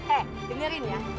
eh dengerin ya